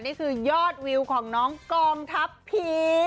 นี่คือยอดวิวของน้องกองทัพผี